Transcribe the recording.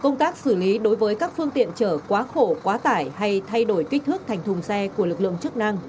công tác xử lý đối với các phương tiện chở quá khổ quá tải hay thay đổi kích thước thành thùng xe của lực lượng chức năng